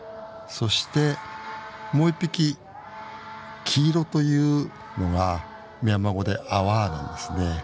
そしてもう一匹黄色というのがミャンマー語でアワーなんですね。